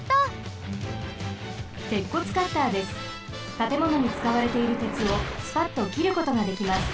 たてものにつかわれているてつをスパッときることができます。